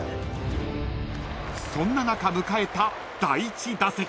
［そんな中迎えた第一打席］